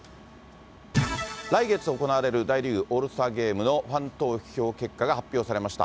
来月行われる大リーグオールスターゲームのファン投票結果が発表されました。